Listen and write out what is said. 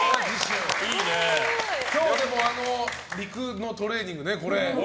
今日の陸のトレーニングね。